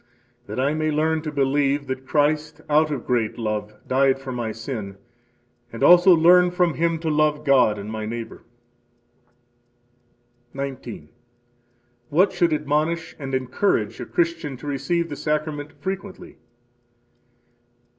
That I may learn to believe that Christ, out of great love, died for my sin, and also learn from Him to love God and my neighbor. 19. What should admonish and encourage a Christian to receive the Sacrament frequently?